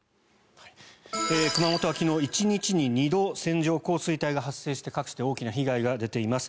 熊本は昨日、１日に２度線状降水帯が発生して各地で大きな被害が出ています。